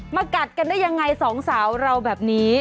กัดกันได้ยังไงสองสาวเราแบบนี้